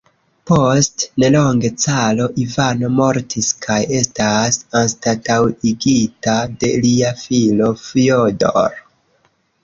Post nelonge caro Ivano mortis kaj estas anstataŭigita de lia filo Fjodor.